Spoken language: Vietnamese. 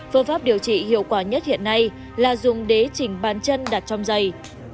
phương pháp điều trị hiệu quả nhất hiện nay là dùng đế chỉnh bàn chân đặt trong giày